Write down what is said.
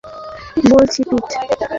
আমিই ওকে আসতে বলেছি, পিট।